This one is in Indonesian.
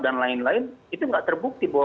dan lain lain itu tidak terbukti bahwa